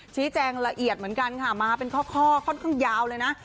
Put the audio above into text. ชี้แจงละเอียดเหมือนกันค่ะมาเป็นข้อค่อนข้างยาวเลยนะ